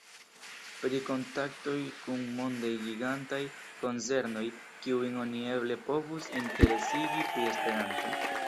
Pri kontaktoj kun mondaj gigantaj konzernoj, kiujn oni eble povus interesigi pri Esperanto?